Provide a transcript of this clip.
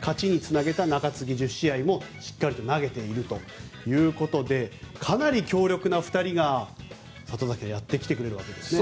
勝ちにつなげた中継ぎ１０試合もしっかりと投げているということでかなり強力な２人がやってきてくれるわけですね。